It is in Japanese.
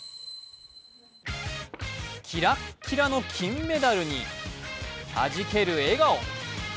キラッキラの金メダルにはじける笑顔。